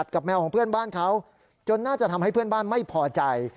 แมวของเพื่อนบ้านเขาจนน่าจะทำให้เพื่อนบ้านไม่พอใจ